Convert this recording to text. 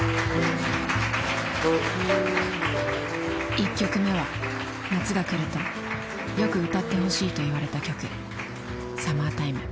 １曲目は夏が来るとよく歌ってほしいと言われた曲「Ｓｕｍｍｅｒｔｉｍｅ」。